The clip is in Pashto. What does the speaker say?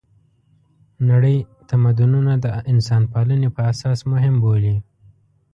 نړۍ تمدونونه د انسانپالنې په اساس مهم بولي.